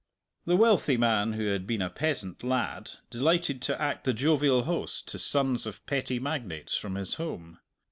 The wealthy man who had been a peasant lad delighted to act the jovial host to sons of petty magnates from his home.